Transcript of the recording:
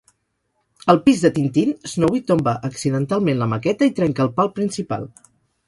Al pis de Tintin, Snowy tomba accidentalment la maqueta i trenca el pal principal.